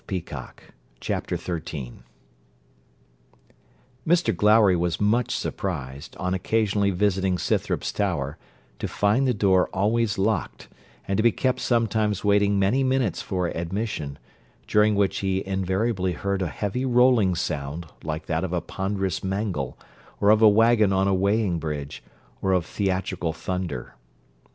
CHAPTER XIII Mr Glowry was much surprised, on occasionally visiting Scythrop's tower, to find the door always locked, and to be kept sometimes waiting many minutes for admission: during which he invariably heard a heavy rolling sound like that of a ponderous mangle, or of a waggon on a weighing bridge, or of theatrical thunder.